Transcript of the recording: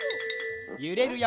ゆれるよ。